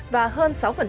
và hơn sáu